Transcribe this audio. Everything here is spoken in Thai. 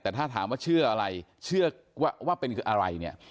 แต่ถ้าถามว่าเชื่ออะไรเชื่อว่าเป็นคืออะไรเนี่ย